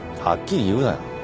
はっきり言うなよ。